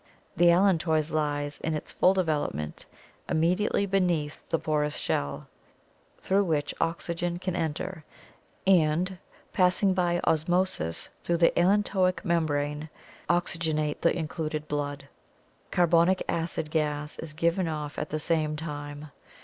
The allantois lies, in its full development, immediately beneath the porous shell, through which oxygen can enter and, passing by osmosis through the allantoic membrane, oxygenate the included blood. Carbonic acid gas is given off at the same time.